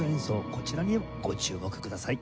こちらにもご注目ください。